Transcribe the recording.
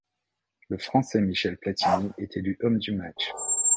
Le Français Michel Platini est élu homme du match.